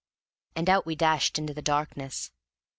And out we dashed into the darkness.